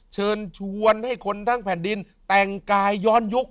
เชิญชวนให้คนทั้งแผ่นดินแต่งกายย้อนยุค